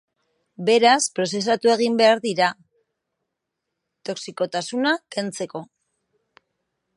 Beraz, prozesatu egin behar dira toxikotasuna kentzeko.